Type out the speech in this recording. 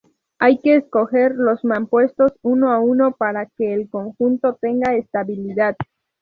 Hay que escoger los mampuestos uno a uno para que el conjunto tenga estabilidad.